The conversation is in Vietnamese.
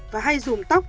và hay dùng tóc